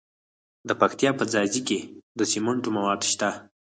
د پکتیا په ځاځي کې د سمنټو مواد شته.